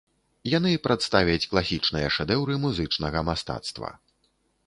Яны прадставяць класічныя шэдэўры музычнага мастацтва.